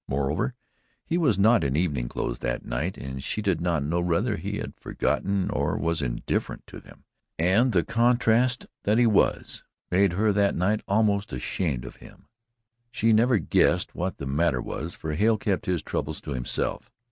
Moreover, he was not in evening clothes that night and she did not know whether he had forgotten or was indifferent to them, and the contrast that he was made her that night almost ashamed for him. She never guessed what the matter was, for Hale kept his troubles to himself.